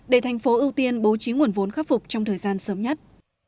để thành phố ưu tiên bố trí nguồn vốn khắc phục trong thời gian sớm nhất